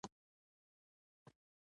د مطالبو د انتخاب طرز او تصحیح.